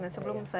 nah sebelum saya